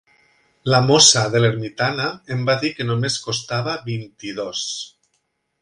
La mossa de l'ermitana em va dir que només costava vint i dos.